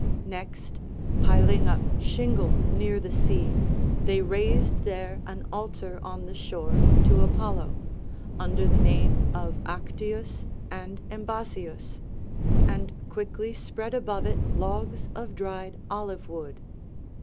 Next, piling up shingle near the sea, they raised there an altar on the shore to Apollo, under the name of Actius and Embasius, and quickly spread above it logs of dried olive wood.